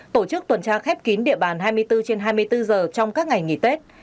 tổ chức tuần tra khép kín địa bàn hai mươi bốn trên hai mươi bốn giờ trong các ngày nghỉ tết